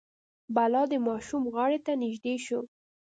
بلا د ماشوم غاړې ته نژدې شو.